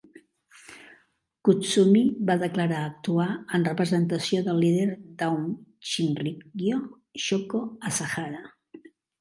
Kutsumi va declarar actuar en representació del líder d'Aum Shinrikyo, Shoko Asahara.